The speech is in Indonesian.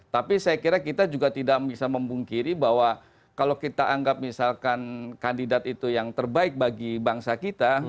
tapi saya kira kita juga tidak bisa membungkiri bahwa kalau kita anggap misalkan kandidat itu yang terbaik bagi bangsa kita